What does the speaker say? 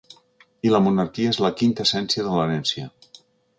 I la monarquia és la quinta essència de l’herència.